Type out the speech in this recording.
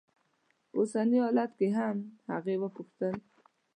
په اوسني حالت کې هم؟ هغې وپوښتل.